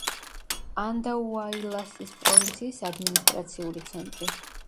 ანდაუაილასის პროვინციის ადმინისტრაციული ცენტრი.